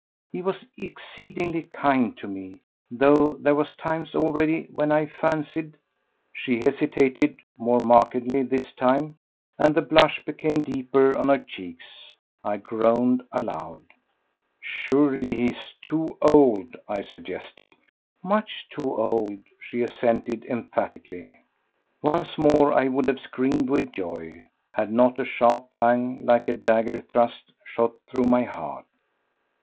He was exceedingly kind to me, though there were times already when I fancied ..." She hesitated—more markedly this time—and the blush became deeper on her cheeks. I groaned aloud. "Surely he is too old," I suggested. "Much too old," she assented emphatically. Once more I would have screamed with joy had not a sharp pang, like a dagger thrust, shot through my heart.